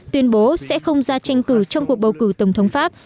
tuyên bố sẽ không ra tranh cử trong cuộc bầu cử tổng thống pháp